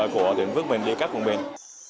của bình phước mình với các vùng mình